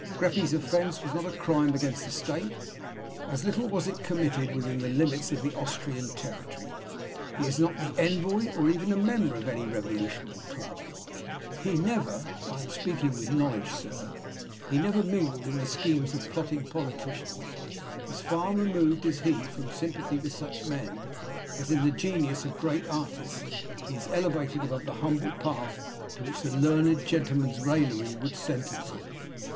Greppi's offence was not a crime against the state; as little was it committed within the limits of the Austrian territory. He is not the envoy, or even a member, of any revolutionary club; he never I am speaking with knowledge, sir he never mingled in the schemes of plotting politicians; as far removed is he from sympathy with such men, as, in the genius of a great artist, he is elevated above the humble path to which the learned gentleman's raillery would sentence him.